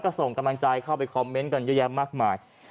ก็ส่งกำลังใจเข้าไปคอมเมนต์กันเยอะแยะมากมาย